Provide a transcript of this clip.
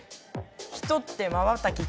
人ってまばたき